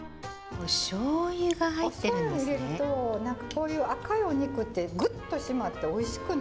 おしょう油入れると何かこういう赤いお肉ってグッと締まっておいしくなるんですよね。